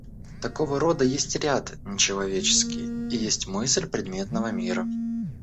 Такого рода есть ряд нечеловеческий и есть мысль предметного мира.